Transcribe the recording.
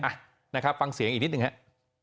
อ่ะนะครับฟังเสียงอีกนิดหนึ่งฮะ